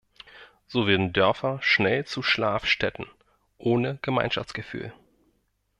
So werden Dörfer schnell zu "Schlafstädten" ohne Gemeinschaftsgefühl.